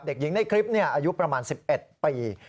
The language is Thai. เด็กหญิงในคลิปอายุประมาณ๑๑ปี